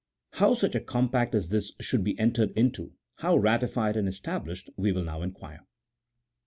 How such a compact as this should be entered into, how ratified and established, we will now inquire.